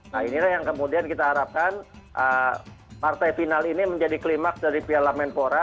nah inilah yang kemudian kita harapkan partai final ini menjadi klimaks dari piala menpora